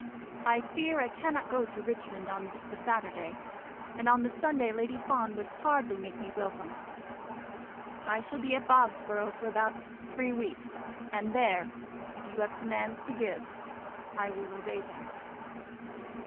I fear I cannot go to Richmond on the Saturday, and on the Sunday Lady Fawn would hardly make me welcome. I shall be at Bobsborough for about three weeks, and there, if you have commands to give, I will obey them.